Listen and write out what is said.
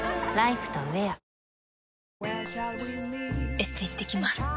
エステ行ってきます。